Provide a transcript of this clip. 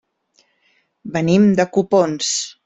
Venim de Copons.